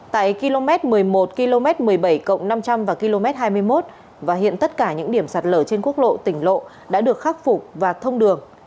tại km một mươi một km một mươi bảy năm trăm linh và km hai mươi một và hiện tất cả những điểm sạt lở trên quốc lộ tỉnh lộ đã được khắc phục và thông đường